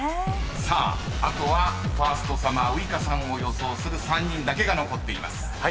［さああとはファーストサマーウイカさんを予想する３人だけが残っています］